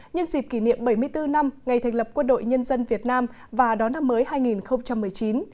nhân dịp kỷ niệm bảy mươi bốn năm ngày thành lập quân đội nhân dân việt nam và đón năm mới hai nghìn một mươi chín